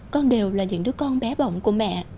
con đều là những đứa con bé bỏng của mẹ